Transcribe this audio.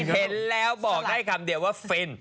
เห็นแล้วบอกได้คำเดียวว่าฟิน